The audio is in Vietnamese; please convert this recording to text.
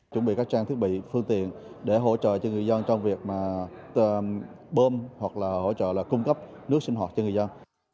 chuẩn bị các trang thiết bị phương tiện để hỗ trợ cho người dân trong việc bơm hoặc là hỗ trợ là cung cấp nước sinh hoạt cho người dân